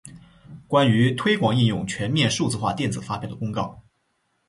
关于推广应用全面数字化电子发票的公告